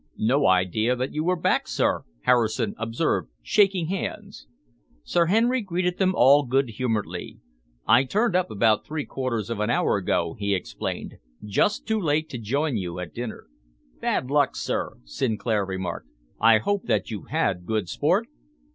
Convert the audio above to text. "No idea that you were back, sir," Harrison observed, shaking hands. Sir Henry greeted them all good humouredly. "I turned up about three quarters of an hour ago," he explained, "just too late to join you at dinner." "Bad luck, sir," Sinclair remarked. "I hope that you had good sport?"